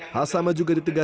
hasama juga ditindakkan